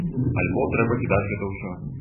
Альбо трэба кідаць гэта ўсё.